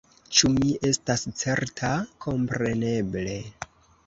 Ĉu mi estas certa? Kompreneble.